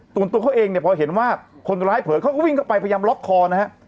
ตัวเขาเองเนี่ยพอเห็นว่าคนร้ายเผลอเขาก็วิ่งเข้าไปพยายามล็อกคอนะฮะ